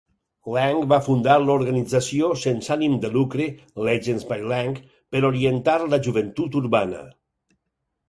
Lang va fundar l'organització sense ànim de lucre "Legends by Lang" per orientar la joventut urbana.